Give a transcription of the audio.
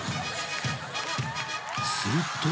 ［すると］